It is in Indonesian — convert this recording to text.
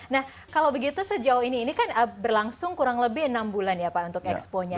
nah kalau begitu sejauh ini ini kan berlangsung kurang lebih enam bulan ya pak untuk exponya